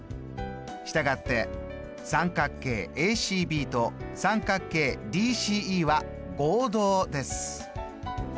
したがって三角形ＡＣＢと三角形ＤＣＥは合同です。